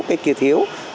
cái kia thiếu